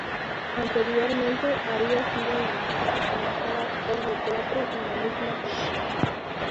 Anteriormente había sido nominado a mejor actor de teatro en la misma producción.